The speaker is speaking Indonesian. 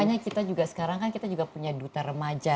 makanya kita juga sekarang kan kita juga punya duta remaja